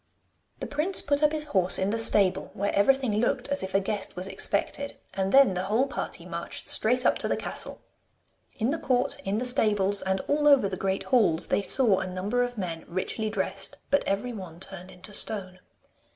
The prince put up his horse in the stable, where everything looked as if a guest was expected, and then the whole party marched straight up to the castle. In the court, in the stables, and all over the great halls, they saw a number of men richly dressed, but every one turned into stone.